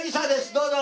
どうぞ！